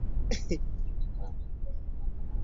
Bye nakuwa lwaki tobizza?